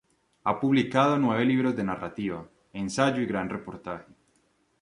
Ha publicado nueve libros de narrativa, ensayo y gran reportaje.